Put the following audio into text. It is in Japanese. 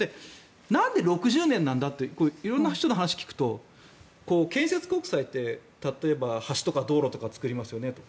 なんで６０年なんだと色んな人の話を聞くと建設国債って例えば、橋とか道路とか作りますよねと。